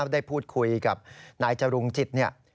ได้พูดคุยกับนายจรุงจิตเนี่ย